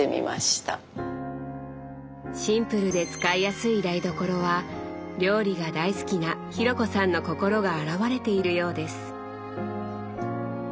シンプルで使いやすい台所は料理が大好きな紘子さんの心が表れているようです。